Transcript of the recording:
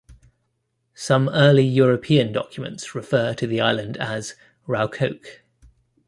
Some early European documents refer to the island as "Raukoke".